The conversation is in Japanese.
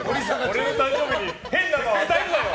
俺の誕生日に変な間を与えるなよ！